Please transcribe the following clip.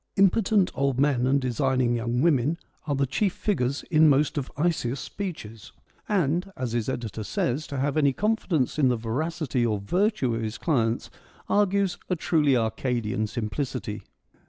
Impotent old men and designing young women are the chief figures in most of Isaeus' speeches ; and, iqo FEMINISM IN GREEK LITERATURE as his editor says, to have any confidence in the veracity or virtue of his clients argues a truly Arcadian simplicity.